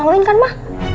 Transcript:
kalau maluin kan ma